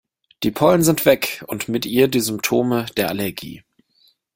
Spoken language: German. Die Pollen sind weg und mit ihr die Symptome der Allergie.